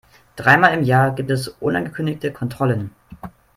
Dreimal im Jahr gibt es unangekündigte Kontrollen.